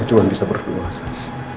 aku cuma bisa berdua hassan